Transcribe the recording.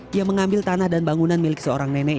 dia mengambil tanah dan bangunan milik seorang nenek